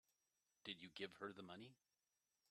Did you give her the money?